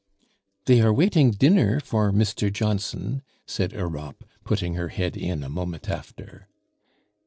"They are waiting dinner for Mr. Johnson," said Europe, putting her head in a moment after.